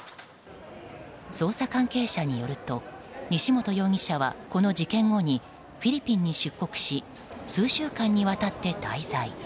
捜査関係者によると西本容疑者はこの事件後にフィリピンに出国し数週間にわたって滞在。